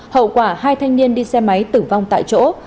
hậu quả hai thanh niên đi xe máy tử vong tại chỗ